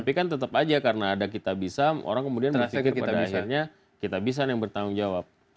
tapi kan tetap aja karena ada kitabisa orang kemudian berpikir pada akhirnya kita bisa yang bertanggung jawab